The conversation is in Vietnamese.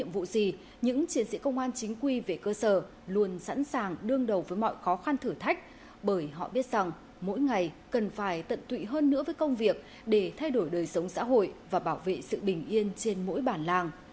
những gì những chiến sĩ công an chính quy về cơ sở luôn sẵn sàng đương đầu với mọi khó khăn thử thách bởi họ biết rằng mỗi ngày cần phải tận tụy hơn nữa với công việc để thay đổi đời sống xã hội và bảo vệ sự bình yên trên mỗi bản làng